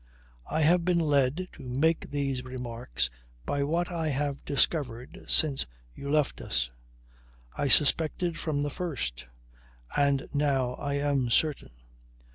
"I have been led to make these remarks by what I have discovered since you left us. I suspected from the first. And now I am certain.